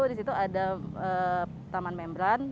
di situ ada taman membran